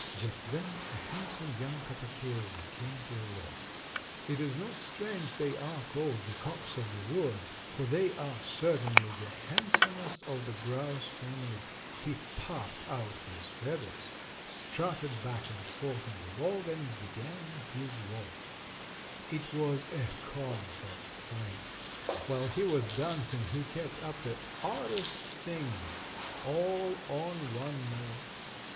Just then a handsome young capercailzie came to the log. It is not strange they are called the "cocks of the wood," for they are certainly the handsomest of the grouse family. He puffed out his feathers, strutted back and forth on the log and began his waltz. It was a comical sight! While he was dancing he kept up the oddest singing all on one note.